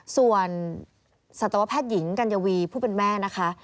ส่วนสัตวแพทย์หญิงกัญญวีผู้เป็นแม่นะคะ